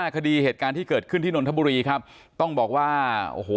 คดีเหตุการณ์ที่เกิดขึ้นที่นนทบุรีครับต้องบอกว่าโอ้โห